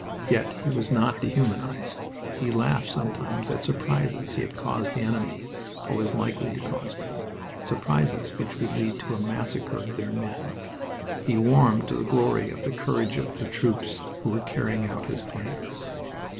Yet he was not dehumanized. He laughed sometimes at surprises he had caused the enemy, or was likely to cause them surprises which would lead to a massacre of their men. He warmed to the glory of the courage of the troops who were carrying out his plans.